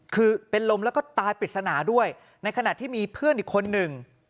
คือเป็นลมแล้วก็ตายปริศนาด้วยในขณะที่มีเพื่อนอีกคนหนึ่ง